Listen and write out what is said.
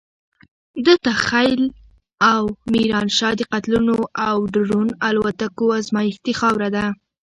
دته خېل او ميرانشاه د قتلونو او ډرون الوتکو ازمايښتي خاوره ده.